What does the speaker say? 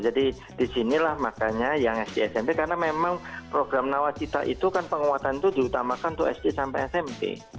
jadi disinilah makanya yang sd smp karena memang program nawacita itu kan penguatan itu diutamakan untuk sd sampai smp